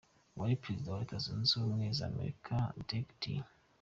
Uwari perezida wa Leta zunze ubumwe za Amerika Dwight D.